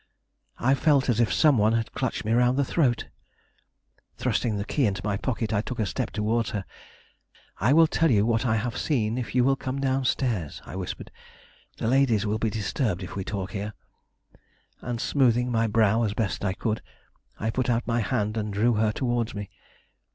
I felt as if some one had clutched me round the throat. Thrusting the key into my pocket, I took a step towards her. "I will tell you what I have seen if you will come down stairs," I whispered; "the ladies will be disturbed if we talk here," and smoothing my brow as best I could, I put out my hand and drew her towards me.